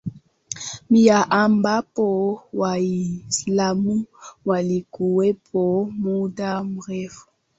nia ambapo waislamu walikuwepo muda mrefu